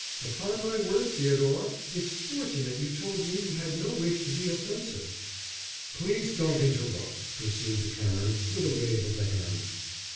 "Upon my word, Theodore, it's fortunate you told me you had no wish to be offensive." "Please don't interrupt," pursued the Canon, with a wave of the hand.